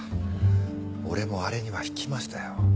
俺もあれには引きましたよ。